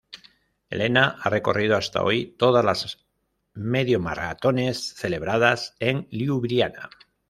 Helena ha recorrido hasta hoy todas las medio maratones celebradas en Liubliana.